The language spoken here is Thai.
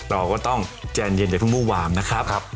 เราก็ต้องแจนเย็นโดยพึ่งบู่หวามนะครับ